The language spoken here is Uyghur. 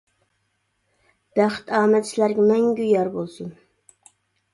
بەخت، ئامەت سىلەرگە مەڭگۈ يار بولسۇن!